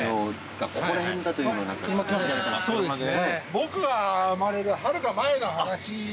僕が生まれるはるか前の話で。